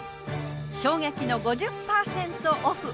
衝撃の５０％オフ！